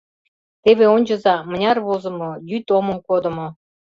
Теве ончыза, мыняр возымо, йӱд омым кодымо.